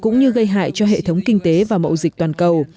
cũng như gây hại cho hệ thống kinh tế và mậu dịch toàn cầu